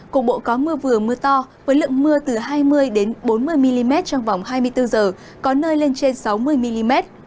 cục bộ có mưa vừa mưa to với lượng mưa từ hai mươi bốn mươi mm trong vòng hai mươi bốn h có nơi lên trên sáu mươi mm